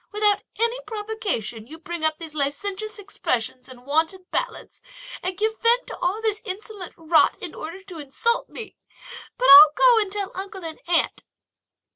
without any provocation you bring up these licentious expressions and wanton ballads to give vent to all this insolent rot, in order to insult me; but I'll go and tell uncle and aunt."